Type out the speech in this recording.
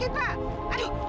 ada apa itu ya